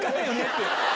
って。